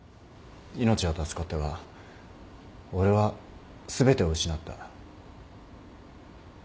命は助かったが俺は全てを失った。